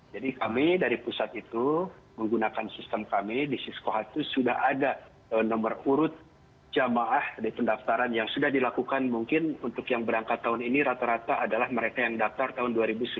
jadi kami dari pusat itu menggunakan sistem kami di siskoh itu sudah ada nomor urut jemaah di pendaftaran yang sudah dilakukan mungkin untuk yang berangkat tahun ini rata rata adalah mereka yang daftar tahun dua ribu sebelas dua ribu dua belas